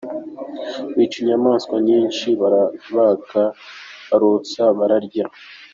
Bica inyamaswa nyinshi, barabaga barotsa, bararya.